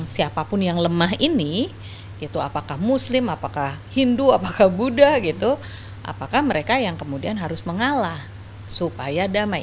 siapapun yang lemah ini apakah muslim apakah hindu apakah buddha gitu apakah mereka yang kemudian harus mengalah supaya damai